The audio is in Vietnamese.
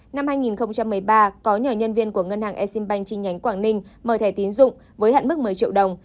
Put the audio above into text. năm hai nghìn một mươi ba có nhỏ nhân viên của ngân hàng eximbank trên nhánh quảng ninh mời thẻ tín dụng với hạn mức một mươi triệu đồng